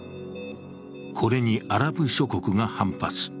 これにアラブ諸国が反発。